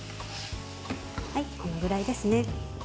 このぐらいですね。